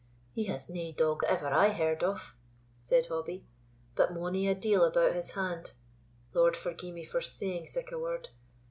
"He has nae dog that ever I heard of," said Hobbie, "but mony a deil about his hand lord forgie me for saying sic a word!